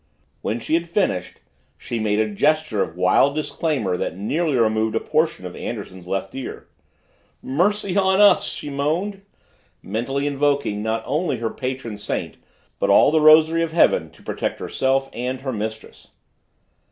When she had finished, she made a gesture of wild disclaimer that nearly removed a portion of Anderson's left ear. "Mercy on us!" she moaned, mentally invoking not only her patron saint but all the rosary of heaven to protect herself and her mistress.